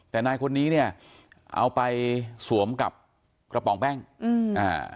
แต่นายคนนี้เนี่ยเอาไปสวมกับกระป๋องแป้งอืมอ่า